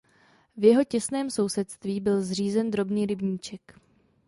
V jeho těsném sousedství byl zřízen drobný rybníček.